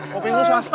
kuping lu swasta